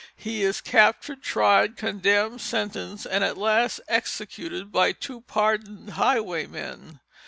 He is captured, tried, condemned, sentenced, and at last executed by two pardoned highwaymen.